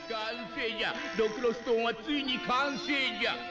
ドクロストーンはついに完成じゃ。